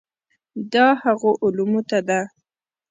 دا هغو علومو ته ده.